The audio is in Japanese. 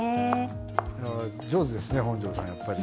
上手ですね本上さんやっぱり。